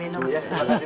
ya makasih bu